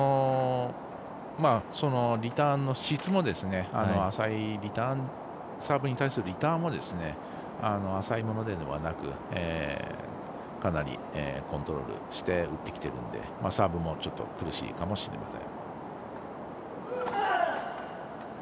リターンの質もサーブに対するリターンも、浅いものではなくかなり、コントロールして打ってきているんでサーブもちょっと苦しいかもしれません。